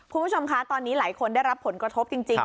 คุณผู้ชมคะตอนนี้หลายคนได้รับผลกระทบจริง